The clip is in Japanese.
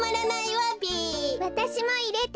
わたしもいれて。